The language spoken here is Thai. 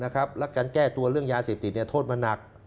และการแก้ตัวเรื่องยาเสพติดโทษมันหนัก